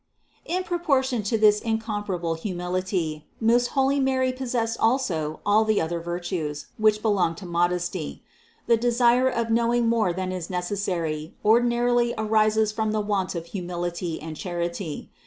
594. In proportion to this incomparable humility most holy Mary possessed also all the other virtues, which be long to modesty. The desire of knowing more than is necessary, ordinarily arises from the want of humility and charity.